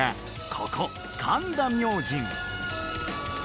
ここ神田明神